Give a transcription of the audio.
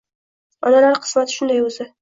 Onalar qismati shunday, o`zi